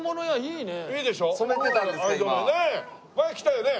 前来たよね？